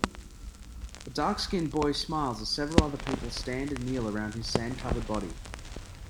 A darkskinned boy smiles as several other people stand and kneel around his sandcovered body.